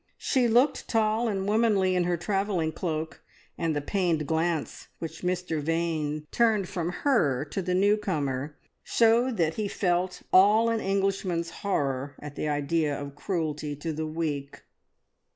She looked tall and womanly in her travelling cloak, and the pained glance which Mr Vane turned from her to the new comer showed that he felt all an Englishman's horror at the idea of cruelty to the weak.